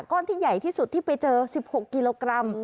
ก้อนที่ใหญ่ที่สุดที่ไปเจอ๑๖กิโลกรัม